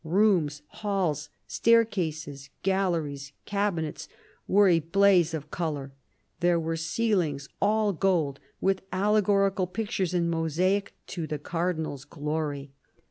Rooms, halls, staircases, galleries, cabinets, were a blaze of colour ; there were ceilings all gold, with allegorical pictures in mosaic, to the Cardinal's glory.